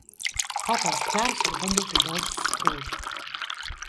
Kā tāds ķēms var dabūt tik daudz stroķu?